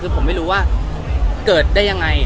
คือผมไม่รู้ว่าเกิดได้ยังไง